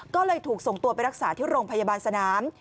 ก็เลยถูกส่งตัวไปรักษาที่โรงพยาบาลสนาม